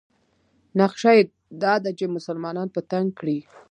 نقشه یې دا ده چې مسلمانان په تنګ کړي.